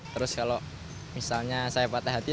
terus kalau misalnya saya patah hati